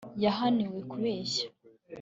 yahaniwe kubeshya